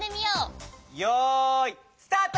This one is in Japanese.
よいスタート！